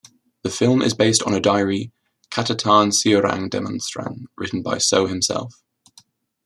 The film is based on a diary "Catatan Seorang Demonstran" written by Soe himself.